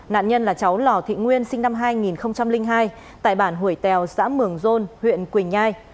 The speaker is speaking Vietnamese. nạn nhân là cháu lò thị nguyên sinh năm hai nghìn hai tại bản hủy tèo xã mường rôn huyện quỳnh nhai